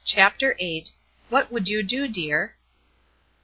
CHAPTER VIII. "WHAT WOULD YOU DO, DEAR?"